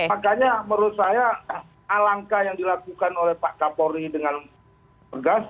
makanya menurut saya alangkah yang dilakukan oleh pak kapolri dengan tegas